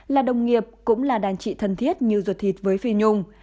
là đồng nghiệp cũng là đàn trị thân thiết như ruột thịt với phi nhung